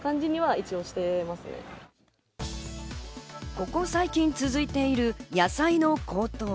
ここ最近続いている野菜の高騰。